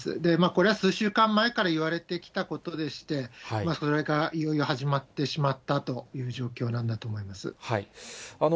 これは数週間前からいわれてきたことでして、それがいよいよ始まってしまったという状況なんだと思います。